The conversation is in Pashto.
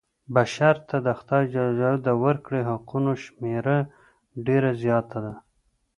بشر ته د خدای ج د ورکړي حقونو شمېره ډېره زیاته ده.